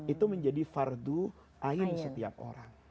itu menjadi fardu ain setiap orang